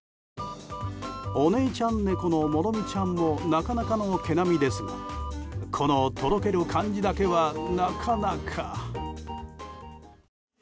お姉ちゃん猫のもろみちゃんもなかなかの毛並みですがこのとろける感じだけはなかなか。